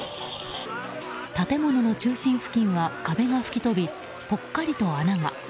建物の中心付近は壁が吹き飛びぽっかりと穴が。